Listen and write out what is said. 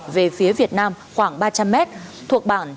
về phía việt nam khoảng ba trăm linh m thuộc bảng